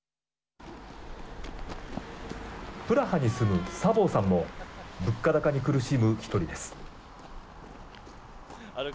プラハに住むサボーさんも物価高に苦しむ１人です。